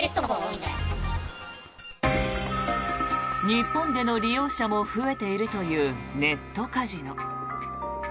日本での利用者も増えているというネットカジノ。